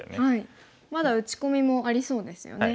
まだ打ち込みもありそうですよね。